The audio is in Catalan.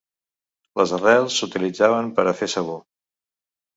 Les arrels s'utilitzaven per a fer sabó.